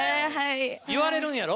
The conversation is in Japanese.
言われるんやろ？